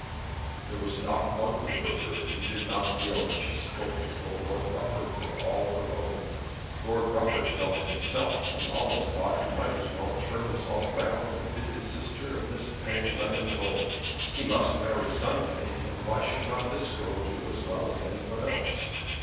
There was not one who heard her who did not feel that she spoke as though Lord Rufford were all her own. Lord Rufford felt it himself and almost thought he might as well turn himself round and bid his sister and Miss Penge let him go. He must marry some day and why should not this girl do as well as any one else?